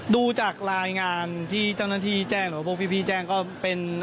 ดูจากรายงานที่เจ้าหน้าที่แจ้งหรือว่าพวกพี่แจ้งก็เป็น